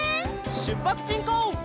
しゅっぱつしんこう！